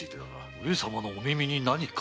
上様のお耳に何か？